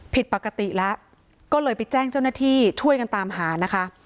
ผิดปกติแล้วก็เลยไปแจ้งเจ้าหน้าที่ช่วยกันตามหานะคะ